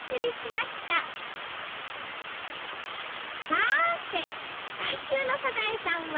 さーて来週の『サザエさん』は？